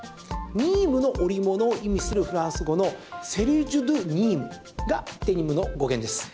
ニームの織物を意味するフランス語のセルジュ・ドゥ・ニームがデニムの語源です。